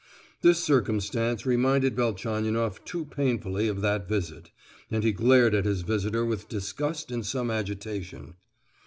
This circumstance reminded Velchaninoff too painfully of that visit, and he glared at his visitor with disgust and some agitation.